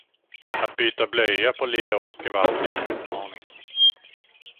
Att byta blöja på lille Åke var alltid en utmaning.